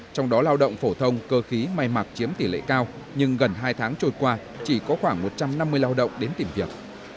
trong đó lao động phổ thông cơ khí may mặc chiếm tỷ lệ cao nhưng gần hai tháng trôi qua chỉ có khoảng một trăm năm mươi lao động đến tìm việc